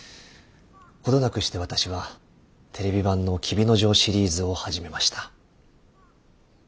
程なくして私はテレビ版の「黍之丞」シリーズを始めました。